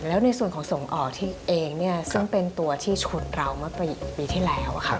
แล้วในส่วนของส่งออกที่เองซึ่งเป็นตัวที่ชนเราเมื่อปีที่แล้ว